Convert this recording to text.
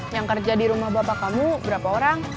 yang kerja di rumah bapak kamu berapa orang